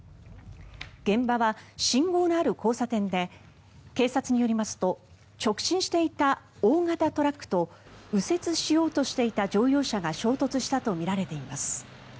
現場は信号のある交差点で警察によりますと直進していた大型トラックと右折しようとしていた乗用車が衝突したとみられています。